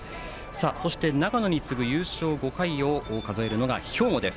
そして、長野に次ぐ優勝５回を数えるのが兵庫です。